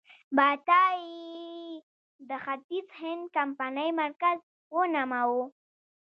باتاویا یې د ختیځ هند کمپنۍ مرکز ونوماوه.